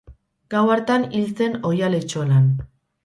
Gau hartan hil zen oihal-etxolan.